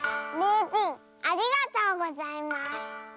めいじんありがとうございます。